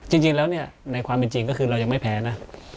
จริงแล้วเนี่ยในความเป็นจริงก็คือเรายังไม่แพ้นะ